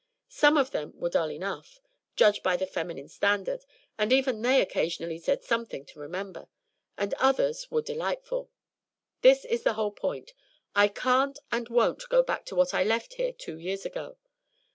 Some of them were dull enough, judged by the feminine standard, but even they occasionally said something to remember, and others were delightful. This is the whole point I can't and won't go back to what I left here two years ago.